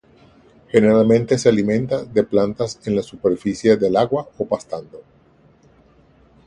Generalmente se alimenta de plantas en la superficie del agua o pastando.